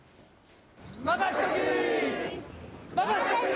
任しとき！